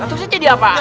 tentu saya jadi apa